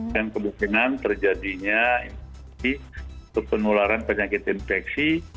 dan kebukingan terjadinya penularan penyakit infeksi